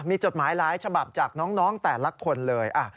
มีจดหมายหลายฉบับจากน้องแต่ละคนเลย